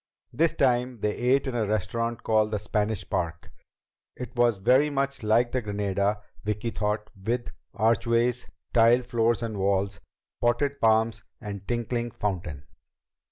This time they ate in a restaurant called the Spanish Park. It was very much like the Granada, Vicki thought, with archways, tiled floors and walls, potted palms and tinkling fountain.